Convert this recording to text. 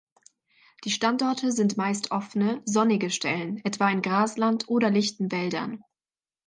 Die Standorte sind meist offene, sonnige Stellen, etwa in Grasland oder lichten Wäldern.